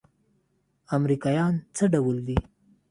امريکايان څه ډول دي.